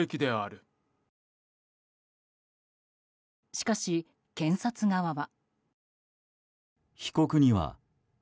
しかし、検察側は。